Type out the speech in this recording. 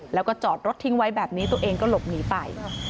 แล้วก็จอดรถทิ้งไว้แบบนี้ตัวเองก็หลบหนีไป